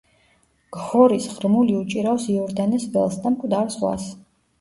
გჰორის ღრმული უჭირავს იორდანეს ველს და მკვდარ ზღვას.